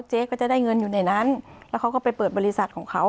เจ๊ก็จะได้เงินอยู่ในนั้นแล้วเขาก็ไปเปิดบริษัทของเขา